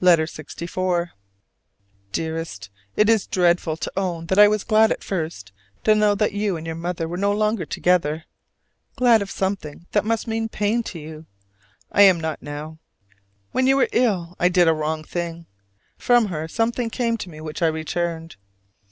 LETTER LXIV. Dearest: It is dreadful to own that I was glad at first to know that you and your mother were no longer together, glad of something that must mean pain to you! I am not now. When you were ill I did a wrong thing: from her something came to me which I returned.